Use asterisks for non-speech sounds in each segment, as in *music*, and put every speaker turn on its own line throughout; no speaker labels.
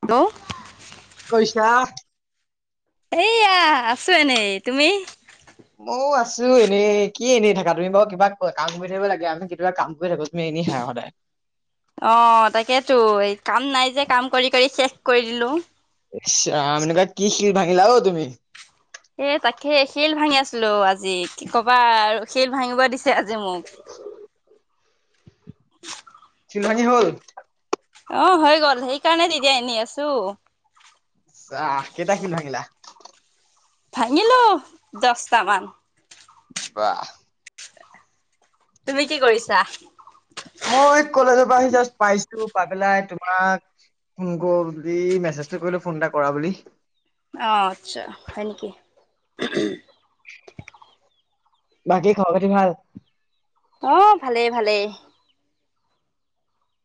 Hello
কৈছা।
এইয়া আছো এনেই, তুমি।
ময়ো আছো এনেই কি এনেই থাকা তুমি বাৰু কিবা কাম কৰি থাকিব লাগে আমি কেতিয়াবা কাম কৰি থাকো। তুমি এনেই থাকা সদায়।
অ', তাকেইতো এই কাম নাই যে কাম কৰি- কৰি শেষ কৰি দিলোঁ।
ইছ ৰাম এনেকুৱা কি শিল ভাঙিলাওঁ তুমি।
এ তাকে শিল ভাঙি আছিলো আজি কি ক'বা আৰু শিল ভাঙিব দিছে আজ যে মোক।
চিলনী হ'ল।
অ', হৈ গ'ল সেইকাৰণেটো এতিয়া এনে আছো।
চা কেইটা শিল ভাঙিলা।
ভাঙিলো, দশটামান।
বাহ!
তুমি কি কৰিছা?
মই কলেজৰ পৰা আহি জাষ্ট পাইছো, পাই পেলাই তোমাক ফোন কৰোঁ বুলি। এই মেছেজটো কৰিলো, ফোন এটা কৰা বুলি।
অহ আচ্ছা, হয় নিকি
বাকী খবৰ-খাতি ভাল?
অ', ভালেই, ভালেই।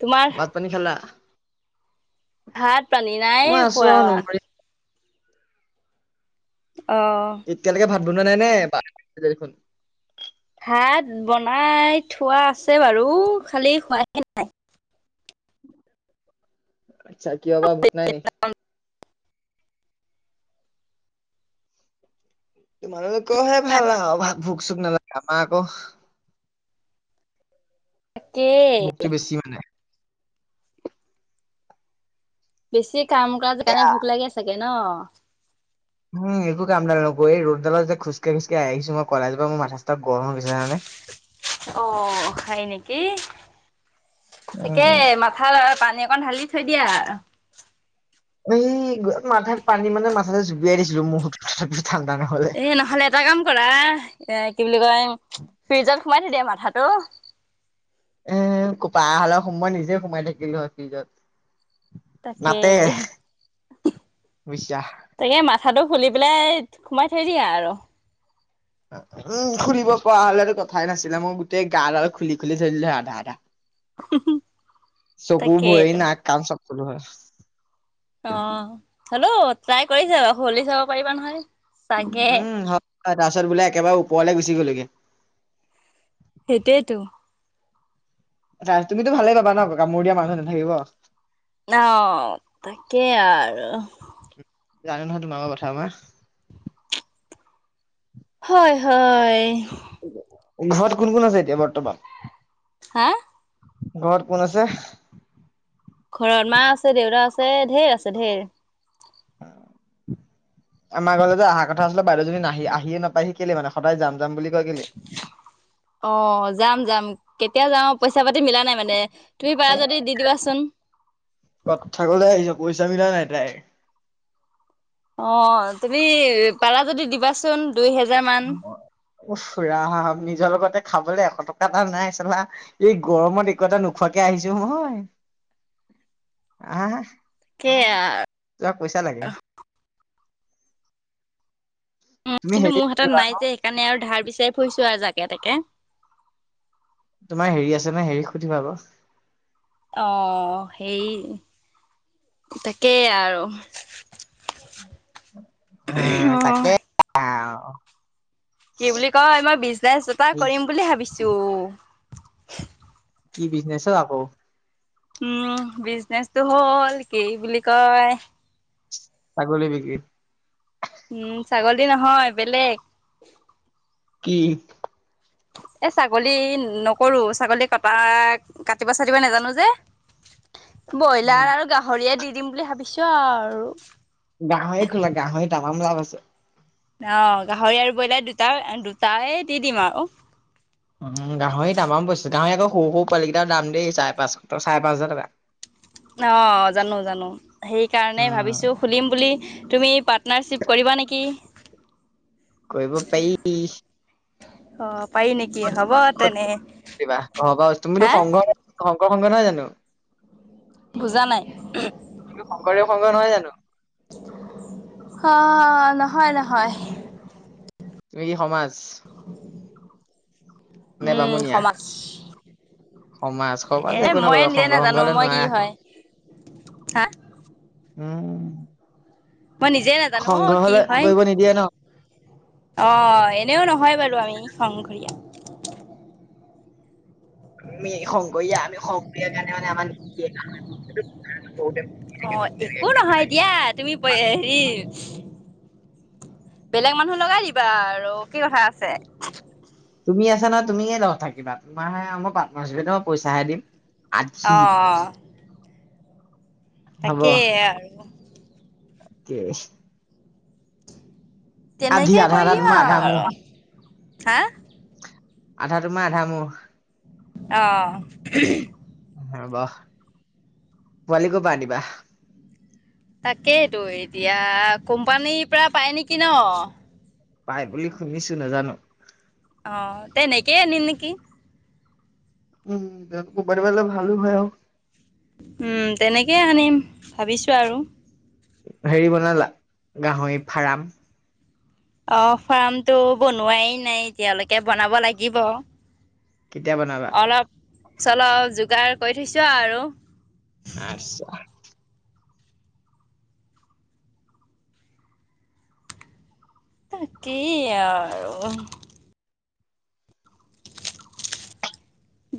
তোমাৰ?
ভাত-পানী খালা?
ভাত-পানী নাইয়ে
মই আছো
খোৱা।
আৰু নমৰি
অ'।
এতিয়ালৈকে ভাত বনোৱা নাই নে *unintelligible* দেখোন।
ভাত বনাই থোৱা আছে বাৰু, খালি খোৱাহে নাই।
আচ্ছা! কিয় বা ভোক নাই নি? *inaudible*
তাকে
ভোকটো বেছি মানে।
বেছি কাম কৰা কাৰণে ভোক লাগে চাগে ন?
উম, একো কামডাল নকৰোঁ। এই ৰ'দডালত যে খোজকাঢ়ি খোজকাঢ়ি আহিছো মই কলেজৰ পৰা মোৰ মাথা-চাথা গৰম হৈ গৈছে জানানে?
*unintelligible* অহ, হয় নিকি? ঠিকে
উম,
মাথাত অলপ পানী অ অকণ ঢালি থৈ দিয়া আৰু
এই মাথাত পানী মানে, মাথাটো জুবুৰীয়াই দিছিলো মো
এ নহ'লে এটা কাম কৰা, এহ, কি বুলি কয়, ফ্ৰিজত সোমাই থৈ দিয়া মাথাট ৰৌ
এহ, পৰা হ'লে মই নিজে সোমাই থাকিলো হয় ফ্ৰিজত।
তাকে!
নাতে বুইছা।
তাকে মাথাটো খুলি পেলাই সোমাই থৈ দিয়া আৰু।
উম, খুলিব পৰা হ'লেতো কথাই নাছিলে, মই গোটেই গাডাল খুলি খুলি থৈ দিলো হয় আধা আধা। চকু, ভৰি,
তাকেইতো
নাক, কাণ সব থলো হয়।
অ', হ'লেও ট্ৰাই কৰি চাবা হ'লে চাব পাৰিবা নহয়, চাগে
উম, হয় তাৰপিছত বোলে একেবাৰে ওপৰলে গুচি গ'লিগে।
সেইটোৱেটো।
তুমি তো ভালেই পাবা ন, কামোৰ দিয়া মানুহ নাথাকিব।
অ', তাকেই আৰু।
জানো নহয়, তোমাৰ কথা মই।
হয়, হয়।
ঘৰত কোন কোন আছে এতিয়া বৰ্তমান?
হা?
ঘৰত কোন আছে?
ঘৰত মা আছে, দেউতা আছে, ধেৰ আছে ধেৰ।
অ'। আমাৰ ঘৰলৈ যে অহা কথা আছিল, বাইদেউজনী নাহি আহিয়ে নাপায়হি যে, কেলেই? মানে সদায় যাম যাম বুলি কয়। কেলেই?
অ', যাম যাম। কেতিয়া যাওঁ, পইচা-পাতি মিলা নাই মানে। তুমি পাৰা যদি দি দিবাচোন
কথা ক'বল আহিছ। পইচা মিলা নাই তাইৰ।
অ', তুমি পাৰা যদি দিবাচোন। দুই হেজাৰ মান
উফ ৰাম--নিজ নিজৰ লগতে খাবলৈ এশ টকা এটা নাই চালা, এই গৰমত একো-এটা নোখোৱাকৈ আহিছো মই।
*unintelligible*
আহ!
কেয়া
তোমাক পইচা লাগে।
উম
তুমি
কিন্তু
হেৰি
মোৰ হাতত
সুধিবা
নাই
আকৌ
যে সেইকাৰণে আৰু ধাৰ বিচাৰি ফুৰিছো আৰু যাক তাকে তাকে
তোমাৰ হেৰি আছে নে হেৰি সুধিবা আকৌ
অ সেই তাকেই আৰু
উম
অ
তাকে
কি বুলি কয় মই বিজনেচ এটা
এই
কৰিম বুলি ভাবিছো
কি বিজনেছ অ আকৌ?
উম বিজনেচটো হ'ল কি বুলি কয়
ছাগলী বিক্ৰী
উম ছাগলী নহয় বেলেগ
কি?
এ ছাগলী নকৰো ছাগলী কটা কাটিব চাটিব নাজানো যে ব্ৰইলাৰ আৰু গাহৰিয়ে দি দিম বুলি ভাবিছো আৰু
গাহৰি খোলা গাঁহৰি তামাম লাভ আছে।
অ গাহৰি আৰু ব্ৰইলাৰ দুটা দুটাই দি দিম আৰু
উম গাহৰিৰ তামাম বস্তু গাহৰি আকৌ সৰু সৰু পোৱালি কেইটাৰ দাম দেই চাৰে পাঁচশ চাৰে পাঁচ হাজাৰ টকা
অ জানো জানো সেইকাৰণে
উম,
ভাবিছো খুলিম বুলি তুমি পাত নাৰচিপ কৰিবা নেকি
কৈব পাই
অ পাৰি নেকি হ'ব
*unintelligible*
তেনে
সং
হা
নহয় জানো
বুজা নাই।
শংকৰ সংগ নহয় জানো *inaudible*
অ নহয় নহয়
এই সমাজ
*inaudible*
নে
উম
বামুণীয়া?
সমাজ
সমাজ সমাজ
এ
একো
মইে
নকৰিবা
নিজে
সংঘ সংঘ
নাজানো
হলে
মই কি
নোৱাৰা
হয় হা
উম
মই নিজে নাজানো অ
সংঘ
কি
হলে
হয়
কৰিব নিদিয়ে ন
অ এনেও নহয় বাৰু আমি সংঘৰীআ
আমি শংকৰীয়া আমি শংকৰাৰ কাৰণে মানে আমাৰ নিদেু *unintelligible*
অ একো নহয় দিয়া তুমি হেৰি বেলেগ মানুহ লগাই দিবা আৰু কি কথা আছে
তুমি আছা নহয় তুমিয়ে লগ থাকিবা তোমাৰহে আও মই পাৰ্টনাৰচিপত মই পইচাহে দিম
অ
আধি
তাকে আৰু
কি
তেনেকে
আধা আধা
কৰিম
তোমাৰ আধা মোৰ
আৰু হা
আধা তোমাৰ আধা মোৰ
অ
হ'ব পোৱালি ক'পা আনিবা?
তাকেইতো এতিয়া কোম্পানীৰ পৰা পাই নিকি ন?
পাই বুলি শুনিছো নাজানো।
অহ তেনেকেই আনিম নিকি?
উম তেনে বাৰ বলে ভালো হয়
উম তেনেকেই আনিম ভাবিছো আৰু
হেৰি বনালা গাহৰি ফাৰাম
অ' ফাৰ্মটো বনোৱাই নাই এতিয়ালৈকে বনাব লাগিব
কেতিয়া বনাবা
অলপ চলপ যোগাৰ কৰি থৈছো আৰু
আচ্ছা
তাকেই আৰু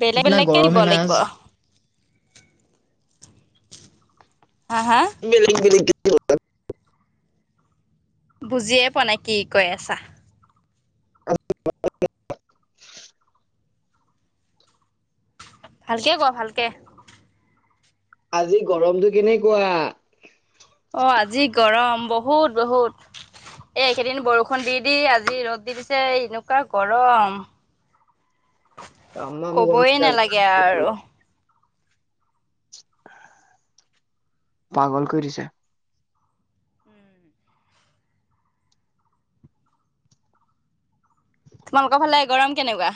বেলেগ
কিতনা
বেলেগকে
গৰম
দিব
হে না
লাগিব
আজ
হা হা
বেলেগ বেলেগ কে দিব লাগব
বুজিয়ে পোৱা নাই কি কৈ আছা
*unintelligible*
ভালকে ক ভালকে
আজি গৰমটো কেনেকুৱা
অ', আজি গৰম বহুত বহুত এ একেইদিন বৰষুণ দি দি আজি ৰ'দ দি দিছে এ এনেকুৱা গৰম
তামাম গৰম
কবই
দিছে আজি
নেলাগে আৰু
পাগল কৰি দিছে
তোমালোকৰ ফালে গৰম কেনেকুৱা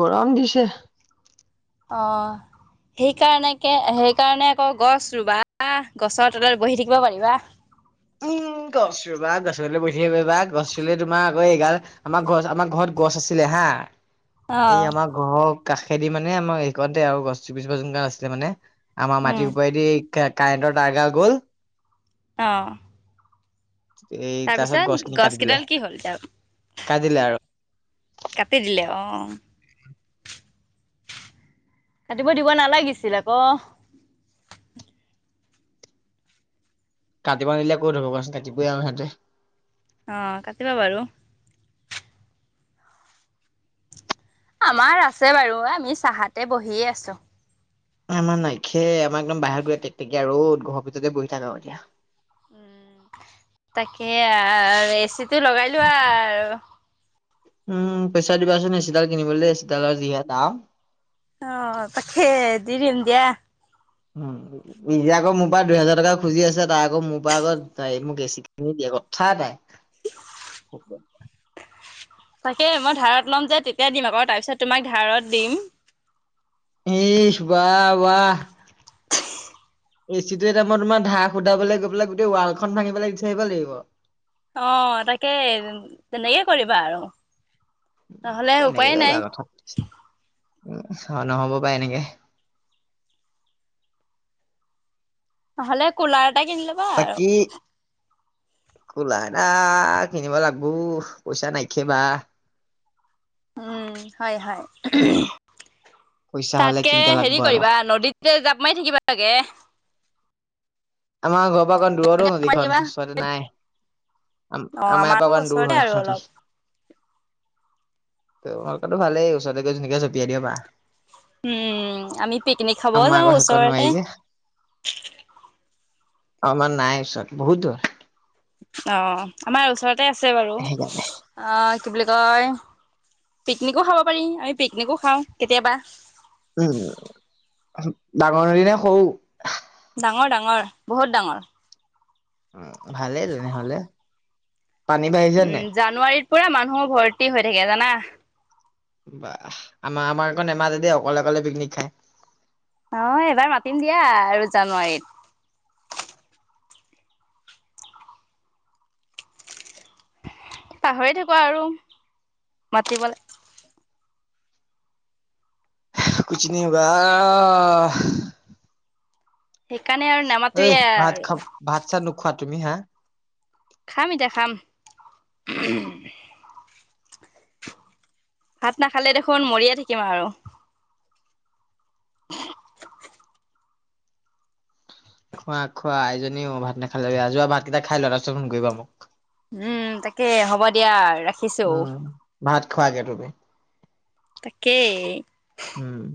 গৰম দিছে
অ', সেইকাৰণে কে সেইকাৰণে আকৌ গছ ৰুবা গছৰ তলত বহি থাকিব পাৰিবা *inaudible*
উম গছ ৰুবা গছৰ তলত বহি থাকিব পাৰিবা গছ ৰুলে তোমাৰ আকৌ এইগাল আমাৰ গছ আমাৰ ঘৰত গছ আছিলে হা
অ
আহ এই আমাৰ ঘৰৰ কাষেদি মানে আমাৰ সেইখনতে আৰু গছজোপা যোন আছিলে মানে আমাৰ
উম
মাটিৰ উপৰেদি কাৰেণ্টৰ টাৰ গাল গ'ল
অ',
এই
তাৰ
তাৰপিছত
পিছত
গছখিনি কাটি
গছ
দিলে।
কিদাল কি হল এতিয়া
কাটিলে আৰু
কাটি দিলে অ', *inaudible*
কাটিব নিদিলে ক'ত হব কচোন কাটিবই আৰু সিহতে
অ', কাটিবা বাৰু আমাৰ আছে বাৰু আমি চাহাতে বহিয়ে আছো
আমাৰ নাইকিয়ে আমাৰ একদম বাহিৰ গৈ টেকটেকীয়া ৰ'দ ঘৰৰ ভিততে বহি থাকা হয় এতিয়া
উম তাকে আৰু এচি টো লগাই লোৱা আৰু
উম পইচা দিবাচোন এচিডাল কিনিবলৈ এচিডালৰ যিহে দাম
অ', তাকে দি দিম দিয়া
উম কথা এটাই
তাকে মই ধাৰত লম যে তেতিয়া দিম আকৌ তেতিয়া তোমাক ধাৰত দিম
এ বা বা এচিটো এটা মই তোমাৰ ধাক সুধাব গৈ পেলাই গোটেই ৱালখন ভাঙিবাই বিচাৰিব লাগিব
অ তাকে নহ'লে
তেনেকে
উপায়ে নাই
কৰিবা কথা উম চোৱা নহব পাই এনেকে
নহলে কুলাৰ এটা কিনি লবা আৰু
কুলাৰ এটা কিনিবা লাগবো পইচা নাইকিয়া বা
উম হয় হয়
পইচা হ'লে
তাকে
কিনতে
হেৰি
লাগব আৰু
কৰিবা নদীতে জাপ মাৰি থাকিবাগে
আমাৰ ঘৰৰ পৰা অকণ দূৰত ও নদীখন ওচৰতে নাই আম
অ
আমাৰ এপা
আকৌ
অকণ দূৰ
ওচৰতে
হয়
আৰু অলপ।
সাটি তোমালোকৰটো ভালেই ওচৰতে গৈ ধুনিয়াকে জপিয়াই দিব পা
উম আমি পিকনিক খাব
আমাৰ আকৌ
যাও
সেইকণ
ওচৰতে
নোৱাৰি অমাৰ নাই ওচৰত বহুত দূৰ
অ আমাৰ ওচৰতে আছে বাৰু
সেইকাৰণে
আ কি বুলি কয় পিকনিকো খাব পাৰি আমি পিকনিকো খাওঁ কেতিয়াবা
উম ডাঙৰ নদী নে সৰু
ডাঙৰ ডাঙৰ বহুত ডাঙৰ
অ ভালেই তেনেহলে পানী বাঢ়িছে
উম
নাই?
জানুৱাৰীত পুৰা মানুহৰ ভৰ্তি হৈ থাকে জানা
বা আমাৰ আমাৰ আকৌ নামাতে দেই অকলে অকলে পিকনিক খায়
অ এবাৰ মাতিম দিয়া আৰু জানুৱাৰীত পাহৰি থাকো আৰু মাতিবলে
কুচ নহী হৌগা
সেইকাৰণে আৰু
ঐ
নামাতোৱে
ভাত
আৰু
খা ভাত চাত নুখোৱা তুমি হা
উম ভাত নাখালে দেখোন মৰিয়ে থাকিম আৰু
খোৱা খোৱা আজনীও অ ভাত নাখালে যোৱা ভাতকেইটা খাই লোৱা তাছত ফোন কৰিবা মোক
উম তাকে হ'ব দিয়া ৰাখ
উম ভাত খোৱা গে তুমি
তাকেই
উম